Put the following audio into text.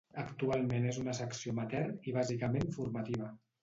Actualment és una secció amateur i bàsicament formativa.